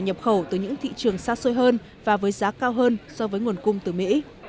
nhập khẩu từ những thị trường xa xôi hơn và với giá cao hơn so với nguồn cung từ mỹ